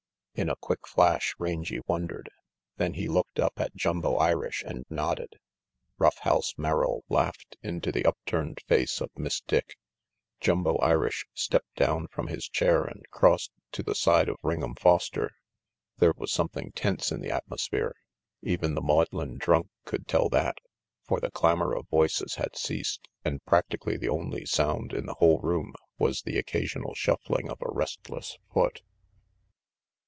In a quick flash Rangy wondered. Then he looked up at Jumbo Irish and nodded. Rough House Merrill laughed into the upturned face of Miss Dick. 208 RANGY PETE Jumbo Irish stepped down from his chair am crossed to the side of Ring'em Foster. There was something tense in the atmosphere. Even the maudlin drunk could tell that. For the clamor of voices had ceased and practically the only sound in the whole room was the occasional shuffling of a restless foot.